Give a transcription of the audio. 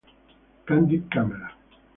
Candid camera